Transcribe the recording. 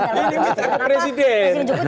itu calon calonnya lah kenapa presiden jokowi